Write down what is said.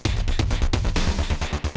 dia ke arah deanne sama reva